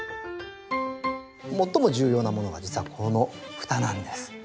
最も重要なものが実はこの蓋なんです。